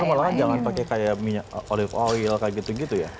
malahan jangan pakai kayak minyak olive oil kayak gitu gitu ya